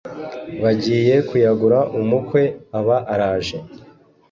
bagiye kuyagura umukwe aba araje